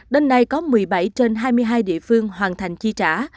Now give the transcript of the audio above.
đến nay có một mươi bảy trên hai mươi hai địa phương hoàn thành chi trả